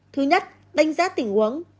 thứ nhất đánh giá tình huống